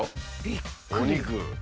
びっくり。